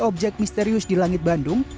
objek misterius di langit bandung